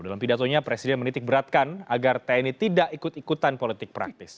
dalam pidatonya presiden menitik beratkan agar tni tidak ikut ikutan politik praktis